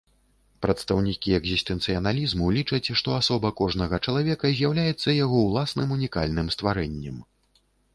Прадстаўнікі экзістэнцыялізму лічаць, што асоба кожнага чалавека з'яўляецца яго ўласным унікальным стварэннем.